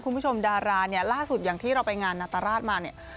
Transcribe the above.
คุณผู้ชมดาราเนี่ยล่าสุดที่ที่เราไปงานตรราศมาเนี่ย